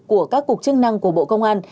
của các cục chức năng của bộ công an